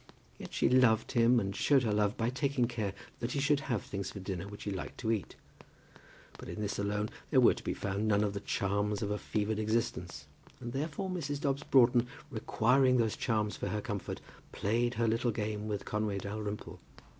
Yet she loved him, and showed her love by taking care that he should have things for dinner which he liked to eat. But in this alone there were to be found none of the charms of a fevered existence, and therefore Mrs. Dobbs Broughton, requiring those charms for her comfort, played her little game with Conway Dalrymple.